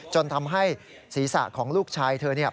จนทำให้ศีรษะของลูกชาย